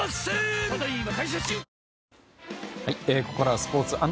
ここからはスポーツ。